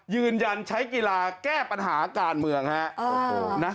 ยืนยันใช้กีฬาแก้ปัญหาการเมืองฮะ